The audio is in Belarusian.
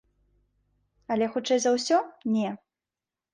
Але, хутчэй за ўсё, не.